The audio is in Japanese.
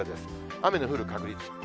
雨の降る確率。